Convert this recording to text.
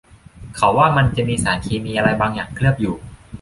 เขาว่ามันจะมีสารเคมีอะไรบางอย่างเคลือบอยู่